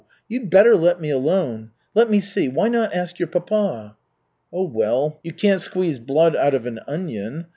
You'd better let me alone. Let me see why not ask your papa?" "Oh, well, you can't squeeze blood out of an onion.